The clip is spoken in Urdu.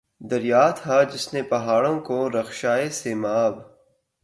دیا تھا جس نے پہاڑوں کو رعشۂ سیماب